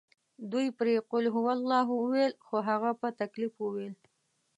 دوی پرې قل هوالله وویلې خو هغه په تکلیف وویل.